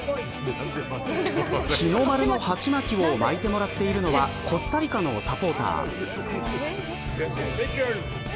日の丸の鉢巻きを巻いてもらっているのはコスタリカのサポーター。